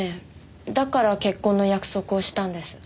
だから結婚の約束をしたんです。